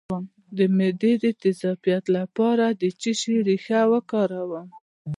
د معدې د تیزابیت لپاره د څه شي ریښه وکاروم؟